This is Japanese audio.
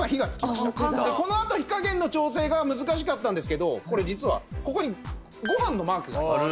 このあと火加減の調整が難しかったんですけどこれ実はここにご飯のマークがあります。